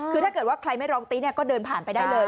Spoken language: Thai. คือถ้าเกิดว่าใครไม่ร้องตี๊ก็เดินผ่านไปได้เลย